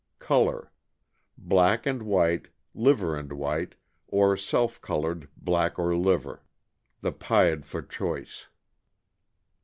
Color. — Black and white, liver and white, or self colored black or liver. The pied for choice.